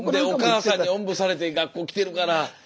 お母さんにおんぶされて学校来てるから。